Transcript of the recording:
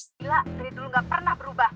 sila dari dulu gak pernah berubah